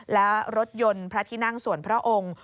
และรถยนต์พระที่นั่งส่วนพระองค์